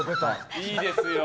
いいですよ！